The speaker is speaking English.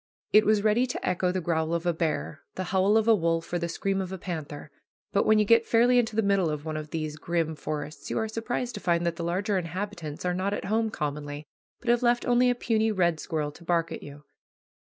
It was ready to echo the growl of a bear, the howl of a wolf, or the scream of a panther; but when you get fairly into the middle of one of these grim forests you are surprised to find that the larger inhabitants are not at home commonly, but have left only a puny red squirrel to bark at you.